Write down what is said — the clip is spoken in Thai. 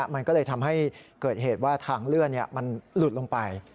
มันก็เลยทำให้เกิดเหตุว่าทางเลื่อนมันหลุดลงไป